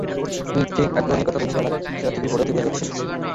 স্মিথও ঠিক আগ্রহ নিয়ে কথা বলছিলেন না, সেটা টিভি পর্দাতেই বোঝা যাচ্ছিল।